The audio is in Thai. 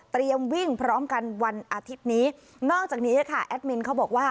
วิ่งพร้อมกันวันอาทิตย์นี้นอกจากนี้ค่ะแอดมินเขาบอกว่า